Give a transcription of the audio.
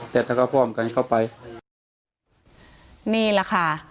แต่ถ้าเขาพร่อมสาบานต้องที่เข้าไป